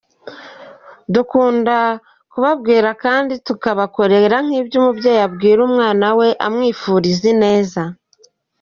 Dukunda ko batubwira kandi bakadukorera nk’ibyo umubyeyi abwira umwana we , amwifuriza ineza.